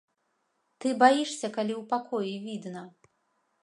Ты баішся, калі ў пакоі відна.